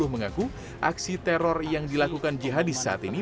mengaku aksi teror yang dilakukan jihadis saat ini